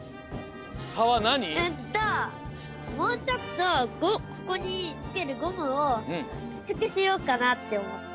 うんともうちょっとここにつけるゴムをきつくしようかなっておもって。